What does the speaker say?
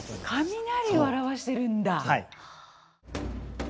雷を表してるんだ。